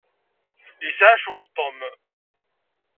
Yesɛa ccɣel Tom.